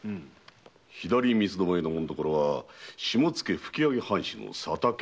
左三つ巴の紋所は下野吹上藩主・佐竹家。